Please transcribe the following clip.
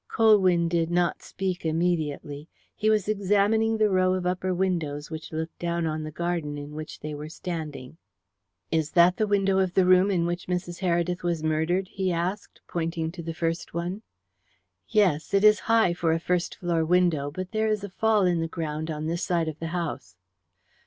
Colwyn did not speak immediately. He was examining the row of upper windows which looked down on the garden in which they were standing. "Is that the window of the room in which Mrs. Heredith was murdered?" he asked, pointing to the first one. "Yes. It is high for a first floor window, but there is a fall in the ground on this side of the house."